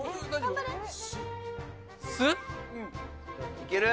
いける！